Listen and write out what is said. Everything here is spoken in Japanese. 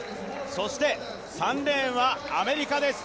そして３レーンは、アメリカです。